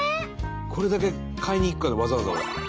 これだけ買いにいくからわざわざ俺。